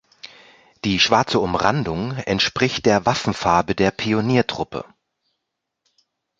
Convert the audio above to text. Die schwarze Umrandung entspricht der Waffenfarbe der Pioniertruppe.